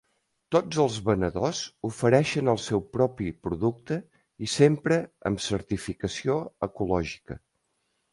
Tots els venedors ofereixen el seu propi producte i sempre amb certificació ecològica.